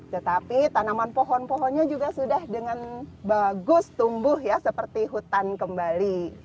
tetapi tanaman pohon pohonnya juga sudah dengan bagus tumbuh ya seperti hutan kembali